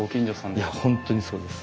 いや本当にそうです。